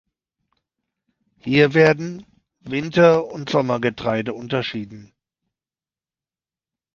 Hier werden Winter- und Sommergetreide unterschieden.